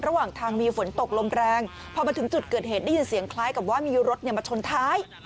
ระหว่างทางมีฝนตกลมแรงพอมาถึงจุดเกิดเหตุได้ยินเสียงคล้ายกับว่ามีรถมาชนท้าย